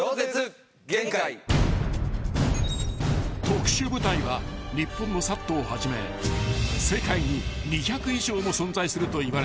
［特殊部隊は日本のＳＡＴをはじめ世界に２００以上も存在するといわれている］